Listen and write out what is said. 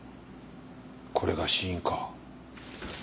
これが死因か。